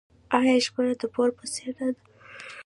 آیا ژمنه د پور په څیر نه ده؟